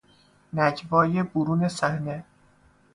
نجوای برون صحنه